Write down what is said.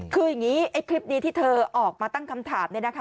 คืออย่างนี้ไอ้คลิปนี้ที่เธอออกมาตั้งคำถาม